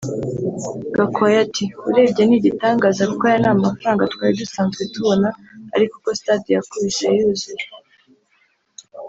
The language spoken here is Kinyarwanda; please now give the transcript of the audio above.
Gakwaya ati “Urebye ni igitangaza kuko aya ni amafaranga twari dusanzwe tubona ari uko stade yakubise yuzuye